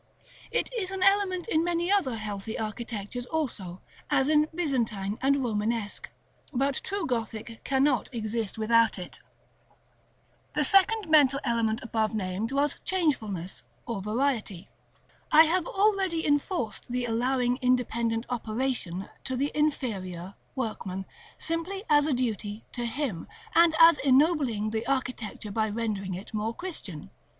It is an element in many other healthy architectures also, as in Byzantine and Romanesque; but true Gothic cannot exist without it. § XXVI. The second mental element above named was CHANGEFULNESS, or Variety. I have already enforced the allowing independent operation to the inferior workman, simply as a duty to him, and as ennobling the architecture by rendering it more Christian.